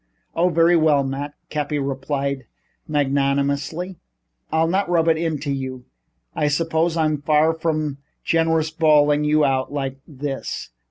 "Oh, very well, Matt," Cappy replied magnanimously, "I'll not rub it into you. I suppose I'm far from generous, bawling you out like this.